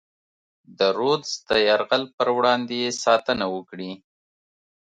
د رودز د یرغل پر وړاندې یې ساتنه وکړي.